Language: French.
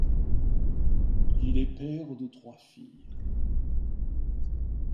Il est père de trois filles..